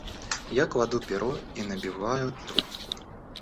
Я кладу перо и набиваю трубку.